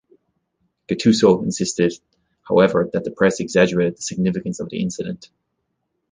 Gattuso insisted, however, that the press exaggerated the significance of the incident.